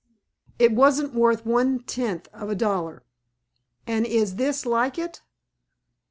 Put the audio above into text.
It wasn't worth one tenth of a dollar." "And is this like it?"